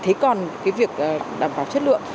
thế còn cái việc đảm bảo chất lượng